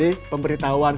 ini pemberitahuan kerja bakti